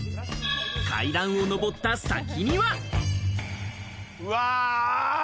階段を上った先には。